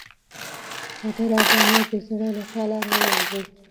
خبره باید د زړه له تله راووځي.